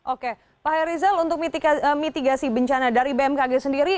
oke pak hairizal untuk mitigasi bencana dari bmkg sendiri